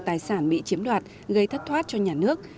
tài sản bị chiếm đoạt gây thất thoát cho nhà nước